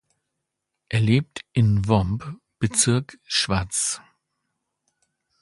Er lebt in Vomp, Bezirk Schwaz.